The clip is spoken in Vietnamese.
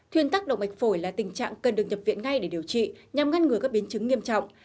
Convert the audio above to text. thuyên tắc động mạch phổi là tình trạng cần được nhập viện ngay để điều trị nhằm ngăn ngừa các biến chứng nghiêm trọng